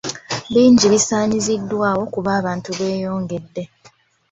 Bingi bisaanyiziddwawo kuba abantu beeyongedde.